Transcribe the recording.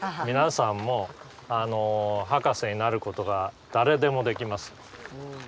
皆さんもハカセになることが誰でもできます。